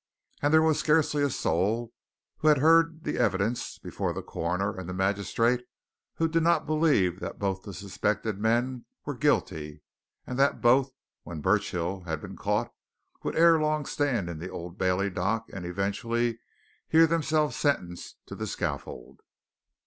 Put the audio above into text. And there was scarcely a soul who had heard the evidence before the coroner and the magistrate who did not believe that both the suspected men were guilty and that both when Burchill had been caught would ere long stand in the Old Bailey dock and eventually hear themselves sentenced to the scaffold.